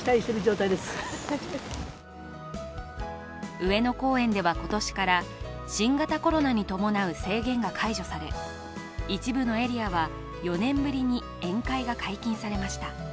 上野公園では今年から新型コロナに伴う制限が解除され、一部のエリアは４年ぶりに宴会が解禁されました。